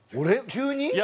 急に？